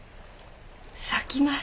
咲きます。